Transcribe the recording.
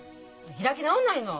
開き直んないの！